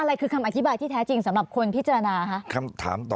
อะไรคือคำอธิบายที่แท้จริงสำหรับคนพิจารณาคะ